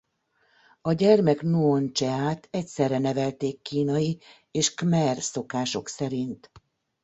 A gyermek Nuon Cseát egyszerre nevelték kínai és khmer szokások szerint.